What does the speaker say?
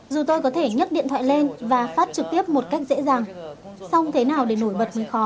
dù tôi có thể nhấc điện thoại lên và phát trực tiếp một cách dễ dàng song thế nào để nổi bật mình khó